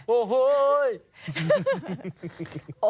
โอ้โห